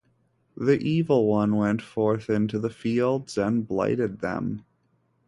The Evil One went forth into the fields and blighted them.